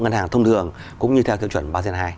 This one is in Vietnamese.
ngân hàng thông thường cũng như theo tiêu chuẩn ba gen hai